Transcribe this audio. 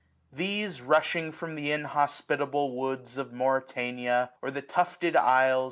These, rushing from th* inhospitable woods Of Mauritania, or the tufted isles.